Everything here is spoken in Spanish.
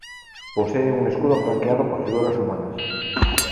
Posee un escudo flanqueado por figuras humanas.